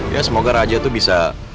ya semoga raja itu bisa